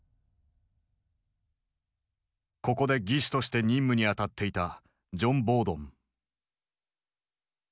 ここで技師として任務に当たっていたジョン・ボードン。